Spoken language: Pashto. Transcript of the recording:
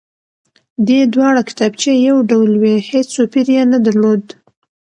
دې دواړې کتابچې يو ډول وې هېڅ توپير يې نه درلود،